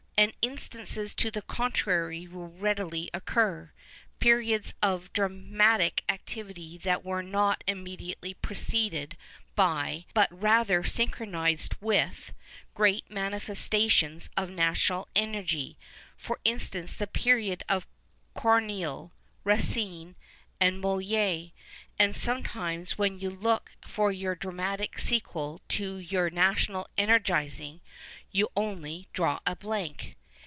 And instances to the contrary will readily occur : periods of dra matic activity that were not immediately preceded by, but rather synchronized with, great manifesta tions of national energy ; for instance, the period of Corncillc, Racine, and Moli^rc. And sometimes, wiu'ii you look for your dramatic secpiel to your national energizing, you only draw a lilank.